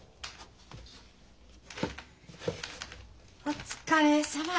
お疲れさま。